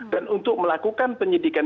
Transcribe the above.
dan untuk melakukan penyidikan